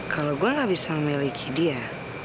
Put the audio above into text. kalau gue gak bisa memiliki dia